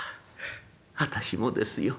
「私もですよ。